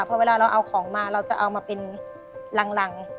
พอเวลาเราเอาของมาเราจะเอามาเป็นหลัง